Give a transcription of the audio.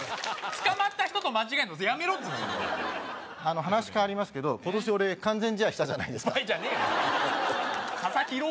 捕まった人と間違えるのやめろっつうの話変わりますけど今年俺完全試合したじゃないですかお前じゃねえよ佐々木朗